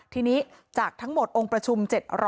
ทีนี้จากทั้งหมดองค์ประชุม๗๐๐